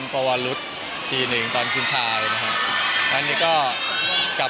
กลับมาอีกก็รู้สึกได้เจอความรู้สึกจนเดิมอีกครับ